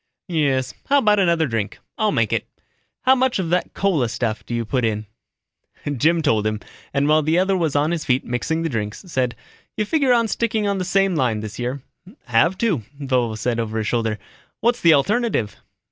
"Yes. How about another drink? I'll make it. How much of that cola stuff do you put in?" Jim told him, and while the other was on his feet mixing the drinks, said, "You figure on sticking to the same line this year?" "Have to," Vovo said over his shoulder. "What's the alternative?"